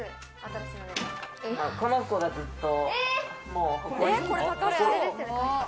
この子がずっと。